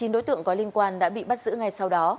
chín đối tượng có liên quan đã bị bắt giữ ngay sau đó